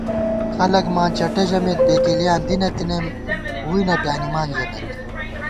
خلک ماں چٹہ ژَمېت بېکېلِیاں دِی نہ تنَئیم ووئی نہ پیانِمان ژمېت